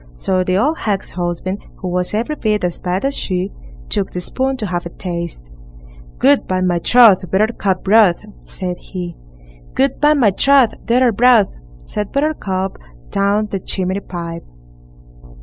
So the old hag's husband, who was every bit as bad as she, took the spoon to have a taste. Good, by my troth! Buttercup broth, said he. Good, by my troth! Daughter broth, said Buttercup down the chimney pipe.